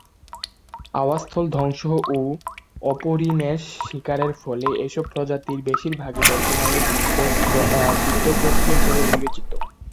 আবাসস্থল ধ্বংস ও অপরিমেয় শিকারের ফলে এসব প্রজাতির বেশিরভাগই বর্তমানে বিপদগ্রস্ত হিসেবে বিবেচিত।